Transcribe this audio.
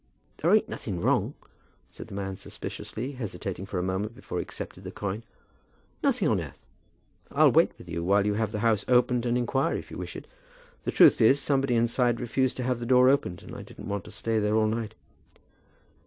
"There ain't nothing wrong?" said the man suspiciously, hesitating for a moment before he accepted the coin. "Nothing on earth. I'll wait with you, while you have the house opened and inquire, if you wish it. The truth is somebody inside refused to have the door opened, and I didn't want to stay there all night."